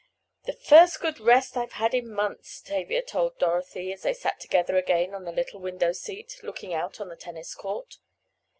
"The first good rest I've had in months," Tavia told Dorothy, as they sat together again on the little window seat, looking out on the tennis court.